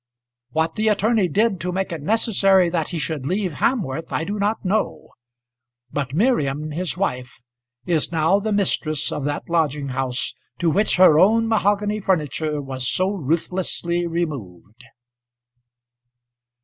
What the attorney did to make it necessary that he should leave Hamworth I do not know; but Miriam, his wife, is now the mistress of that lodging house to which her own mahogany furniture was so ruthlessly removed.